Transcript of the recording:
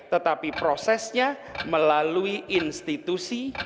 tetapi prosesnya melalui institusi